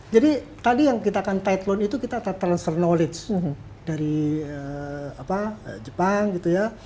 jadi tadi yang kita akan title itu kita transfer knowledge dari jepang gitu ya